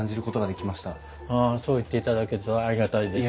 ああそう言っていただけるとありがたいです。